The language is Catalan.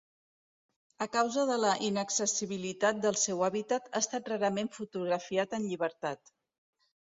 A causa de la inaccessibilitat del seu hàbitat ha estat rarament fotografiat en llibertat.